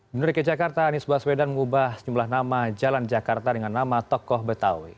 bumur dg jakarta anies baswedan mengubah jumlah nama jalan jakarta dengan nama tokoh betawi